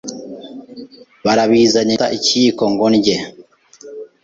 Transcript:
barabizanye ngiye gufata ikiyiko ngo ndye